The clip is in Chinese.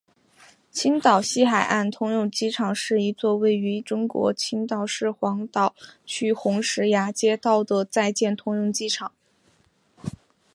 青岛西海岸通用机场是一座位于中国青岛市黄岛区红石崖街道的在建通用机场。